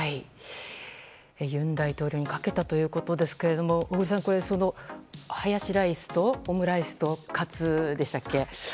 尹大統領にかけたということですが小栗さん、ハヤシライスとオムライスとカツでしたっけ。